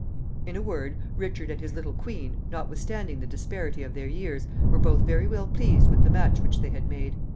In a word, Richard and his little queen, notwithstanding the disparity of their years, were both very well pleased with the match which they had made.